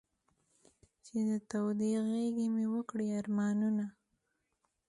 چې د تودې غېږې مې و کړې ارمانونه.